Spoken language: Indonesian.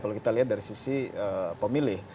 kalau kita lihat dari sisi pemilih